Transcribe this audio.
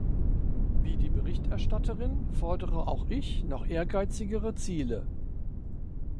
Wie die Berichterstatterin fordere auch ich noch ehrgeizigere Ziele.